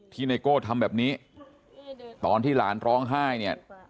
ไนโก้ทำแบบนี้ตอนที่หลานร้องไห้เนี่ย